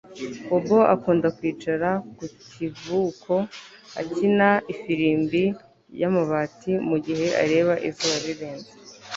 Bobo akunda kwicara ku kivuko akina ifirimbi yamabati mu gihe areba izuba rirenze